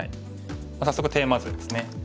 早速テーマ図ですね。